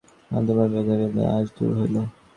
আনন্দময়ীর মনের একটা বেদনা আজ দূর হইল।